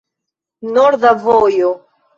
Norda vojo.